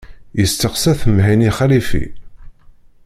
Yesteqsa-t Mhenni Xalifi.